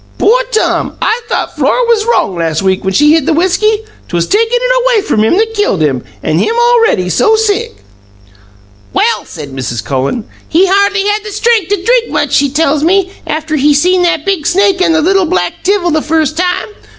"Poor Tom! I thought Flora was wrong last week whin she hid the whisky. 'Twas takin' it away from him that killed him an' him already so sick!" "Well," said Mrs. Cullen, "he hardly had the strengt' to drink much, she tells me, after he see the big snake an' the little black divil the first time.